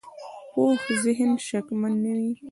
پوخ ذهن شکمن نه وي